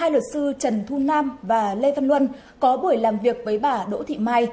hai luật sư trần thu nam và lê văn luân có buổi làm việc với bà đỗ thị mai